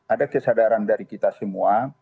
ada kesadaran dari kita semua